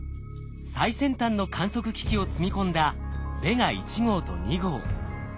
最先端の観測機器を積み込んだヴェガ１号と２号。